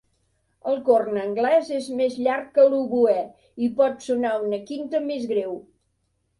El corn anglès és més llarg que l'oboè i pot sonar una quinta més greu.